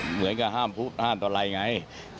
เหมือนกับห้ามผู้ผ้านตลัยไง